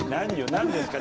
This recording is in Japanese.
何ですか？